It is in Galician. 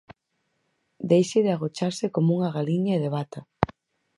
Deixe de agocharse como unha galiña e debata.